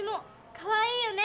かわいいよね！